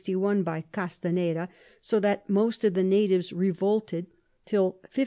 by Castaneda; so that most of the Natives revolted, till 1563.